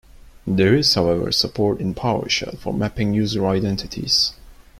There is however support in powershell for mapping user identities.